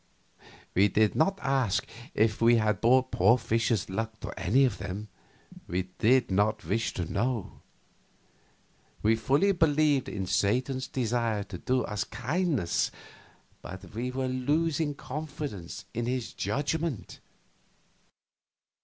We did not ask if we had brought poor Fischer's luck to any of them. We did not wish to know. We fully believed in Satan's desire to do us kindnesses, but we were losing confidence in his judgment.